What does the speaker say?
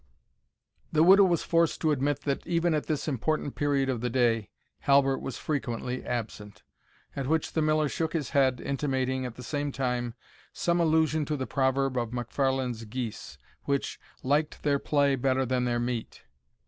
The widow was forced to admit that, even at this important period of the day, Halbert was frequently absent; at which the Miller shook his head, intimating, at the same time, some allusion to the proverb of MacFarlane's geese, which "liked their play better than their meat."